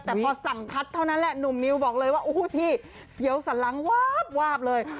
แต่พอสั่งพัดเท่านั้นแหละหนุ่มมิวบอกเลยว่าโอ้โหพี่เสียวสันหลังวาบวาบเลย